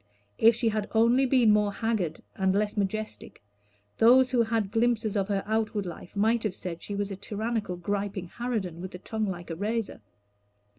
If she had only been more haggard and less majestic, those who had glimpses of her outward life might have said she was a tyrannical, griping harridan, with a tongue like a razor.